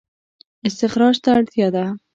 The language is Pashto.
استخراج ته اړتیا ده